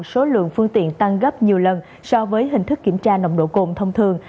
số lượng phương tiện tăng gấp nhiều lần so với hình thức kiểm tra nồng độ cồn thông thường